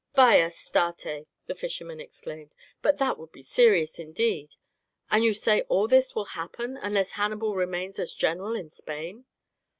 "By Astarte," the fisherman exclaimed, "but that would be serious, indeed; and you say all this will happen unless Hannibal remains as general in Spain?"